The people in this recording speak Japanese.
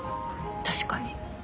確かに。